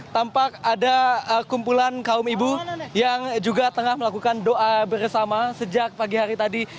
tampak ada kumpulan kaum ibu yang juga tengah melakukan doa bersama sejak pagi hari tadi